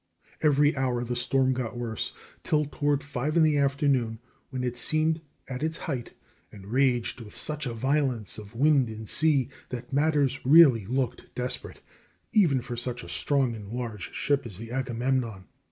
Every hour the storm got worse, till toward five in the afternoon, when it seemed at its height and raged with such a violence of wind and sea that matters really looked "desperate" even for such a strong and large ship as the Agamemnon.